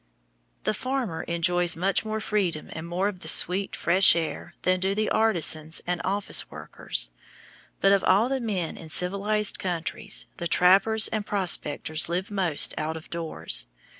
The farmer enjoys much more freedom and more of the sweet fresh air than do the artisans and office workers; but of all the men in civilized countries the trappers and prospectors live most out of doors.